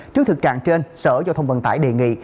trước thực trạng trên sở giao thông vận tải đề nghị